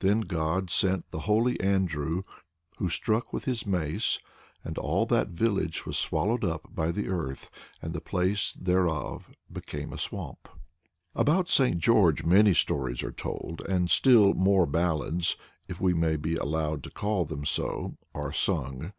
Then God sent the holy Andrew, who struck with his mace and all that village was swallowed up by the earth, and the place thereof became a swamp. About St. George many stories are told, and still more ballads (if we may be allowed to call them so) are sung.